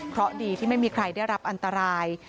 เพราะดีที่ไม่มีใครได้รับอันตราย